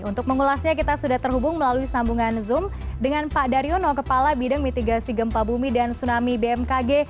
untuk mengulasnya kita sudah terhubung melalui sambungan zoom dengan pak daryono kepala bidang mitigasi gempa bumi dan tsunami bmkg